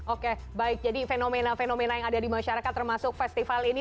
oke baik jadi fenomena fenomena yang ada di masyarakat termasuk festival ini